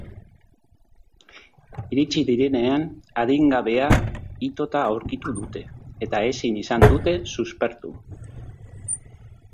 Iritsi direnean, adingabea itota aurkitu dute, eta ezin izan dute suspertu.